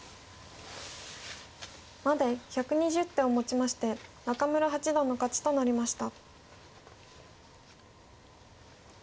まで１２０手をもちまして中村八段の勝ちとなりました。